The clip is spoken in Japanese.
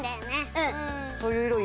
うん。